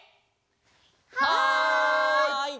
はい！